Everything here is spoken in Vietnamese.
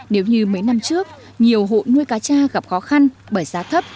nếu như mấy năm trước nhiều hộ nuôi cá cha gặp khó khăn bởi giá thấp